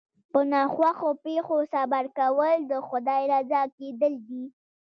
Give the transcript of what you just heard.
په ناخوښو پېښو صبر کول د خدای رضا کېدل دي.